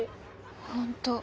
本当。